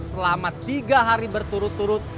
selama tiga hari berturut turut